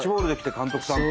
監督さんと。